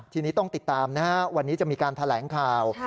ทีนี้ต้องติดตามนะฮะวันนี้จะมีการแถลงข่าว